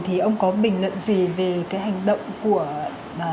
thì ông có bình luận gì về cái hành động của